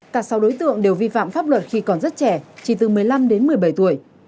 cả sáu đối tượng đều vi phạm pháp luật khi còn rất trẻ chỉ từ một mươi năm đến một mươi bảy tuổi